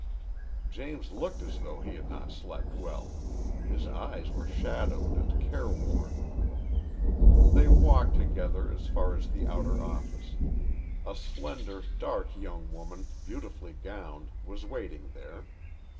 James looked as though he had not slept well. His eyes were shadowed and careworn. They walked together as far as the outer office. A slender, dark young woman, beautifully gowned, was waiting there.